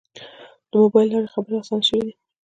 د موبایل له لارې خبرې آسانه شوې دي.